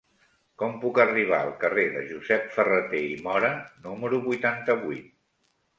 Com puc arribar al carrer de Josep Ferrater i Móra número vuitanta-vuit?